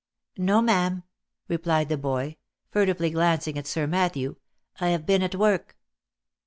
'" No, ma'am," replied the toy, furtively glancing at Sir Matthew, " I have been at work."